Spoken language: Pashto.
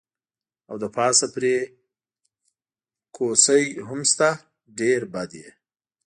او له پاسه پرې کوسۍ هم شته، ډېر بد یې.